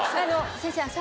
先生。